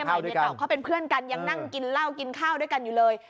ใหม่เมียเก่าเขาเป็นเพื่อนกันยังนั่งกินเหล้ากินข้าวด้วยกันอยู่เลย